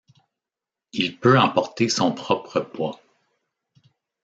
Il peut emporter son propre poids.